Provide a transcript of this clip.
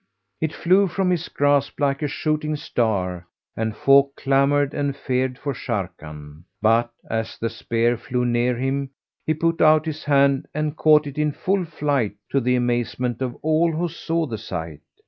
It flew from his grasp like a shooting star and folk clamoured and feared for Sharrkan; but, as the spear flew near him, he put out his hand and caught it in full flight to the amazement of all who saw the sight.